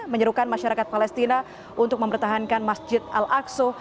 menyerukan masyarakat palestina untuk mempertahankan masjid al aqsa